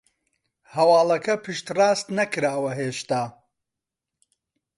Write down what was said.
هەواڵەکە پشتڕاست نەکراوە هێشتا